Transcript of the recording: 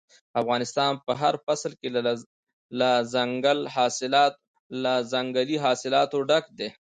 افغانستان په هر فصل کې له دځنګل حاصلاتو ډک دی.